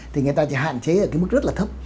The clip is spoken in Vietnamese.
thì người ta chỉ hạn chế ở cái mức rất là thấp